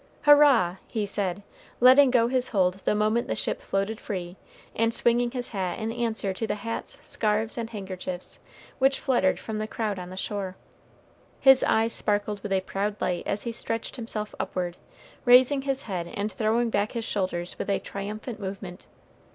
"Hurrah!" he said, letting go his hold the moment the ship floated free, and swinging his hat in answer to the hats, scarfs, and handkerchiefs, which fluttered from the crowd on the shore. His eyes sparkled with a proud light as he stretched himself upward, raising his head and throwing back his shoulders with a triumphant movement.